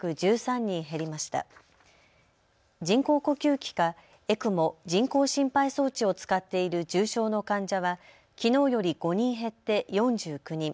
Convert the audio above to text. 人工呼吸器かＥＣＭＯ・人工心肺装置を使っている重症の患者はきのうより５人減って４９人。